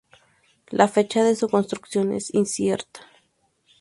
La fecha de su construcción es incierta.